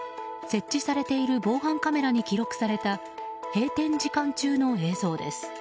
設置されている防犯カメラに記録された閉店時間中の映像です。